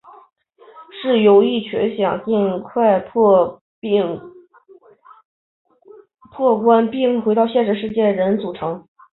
是由一群想尽快破关并回到现实世界的人组成。